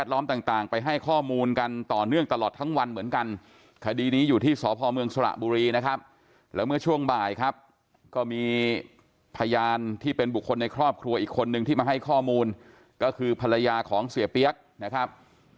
แล้วเมื่อช่วงบ่ายครับก็มีพยานที่เป็นบุคคลในครอบครัวอีกคนนึงที่มาให้ข้อมูลก็คือภรรยาของเสียเปี๊ยกนะครับ